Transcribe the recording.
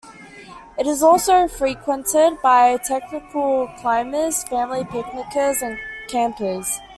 It is also frequented by technical climbers, family picnickers, and campers.